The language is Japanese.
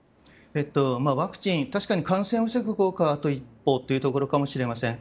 ワクチンは確かに感染を防ぐ効果はあと一歩というところかもしれません。